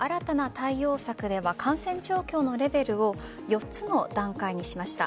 新たな対応策では感染状況のレベルを４つの段階にしました。